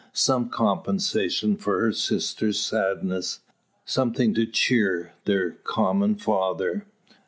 Some compensation for her sister's sadness something to cheer their common father.